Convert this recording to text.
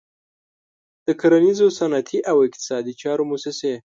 د کرنیزو، صنعتي او اقتصادي چارو موسسې.